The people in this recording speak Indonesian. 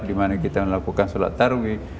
dimana kita melakukan sholat tarwi